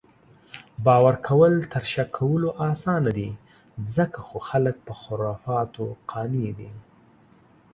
باؤر کؤل تر شک کؤلو اسانه دي، ځکه خو خلک پۀ خُرفاتو قانع دي